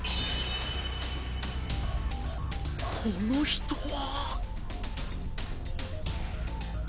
この人は。